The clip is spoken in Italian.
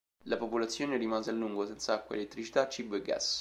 La popolazione rimase a lungo senza acqua, elettricità, cibo e gas.